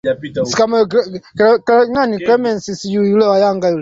madai hayo yalivuma sana nchini afrika kusini